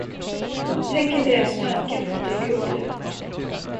Tänk inte ens tanken på att dyka upp nu.